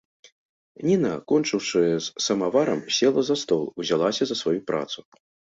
Ніна, кончыўшы з самаварам, села за стол, узялася за сваю працу.